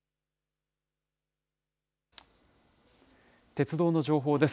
鉄道の情報です。